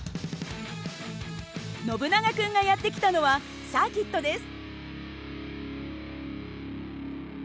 ノブナガ君がやって来たのはサーキットです。